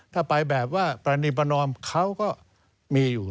ถ้าไปแบบว่าปรณีประนอมเขาก็มีอยู่